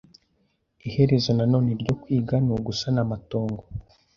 Iherezo noneho ryo Kwiga ni ugusana amatongo